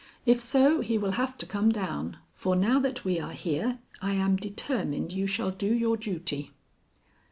If so, he will have to come down, for now that we are here, I am determined you shall do your duty."